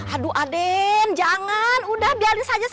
aduh aden jangan udah biarin saja aja ya